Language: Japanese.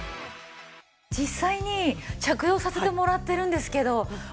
実際に着用させてもらってるんですけど。